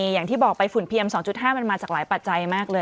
อย่างที่บอกไปฝุ่นเพียง๒๕มันมาจากหลายปัจจัยมากเลย